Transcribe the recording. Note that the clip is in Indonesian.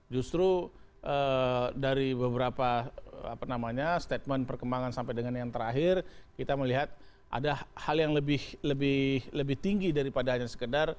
justru dari beberapa statement perkembangan sampai dengan yang terakhir kita melihat ada hal yang lebih tinggi daripada hanya sekedar